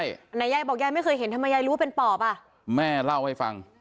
ไหนยายบอกยายไม่เคยเห็นทำไมยายรู้เป็นปอบอ่ะแม่เล่าให้ฟัง